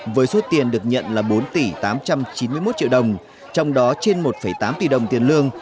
với số tiền được nhận là bốn tỷ tám trăm chín mươi một triệu đồng trong đó trên một tám tỷ đồng tiền lương